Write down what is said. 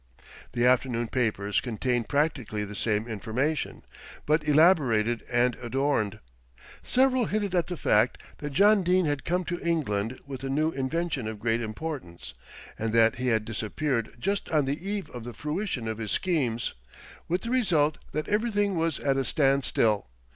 The afternoon papers contained practically the same information, but elaborated and adorned. Several hinted at the fact that John Dene had come to England with a new invention of great importance, and that he had disappeared just on the eve of the fruition of his schemes, with the result that everything was at a stand still.